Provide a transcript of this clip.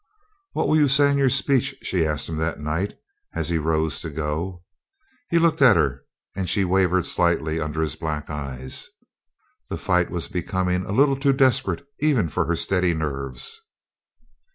"What will you say in your speech?" she asked him that night as he rose to go. He looked at her and she wavered slightly under his black eyes. The fight was becoming a little too desperate even for her steady nerves.